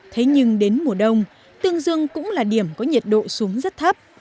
thế nhưng đến mùa đông tương dương cũng là điểm có nhiệt độ xuống rất thấp